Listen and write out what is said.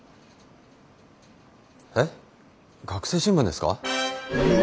えっ学生新聞ですか？